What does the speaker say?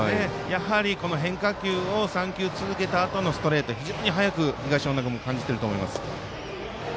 やはり、この変化球を３球続けたあとのストレート、非常に速く東恩納君も感じていると思います。